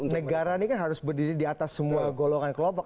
negara ini kan harus berdiri di atas semua golongan kelompok